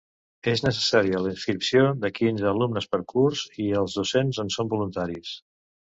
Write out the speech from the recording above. És necessària la inscripció de quinze alumnes per curs i els docents en són voluntaris.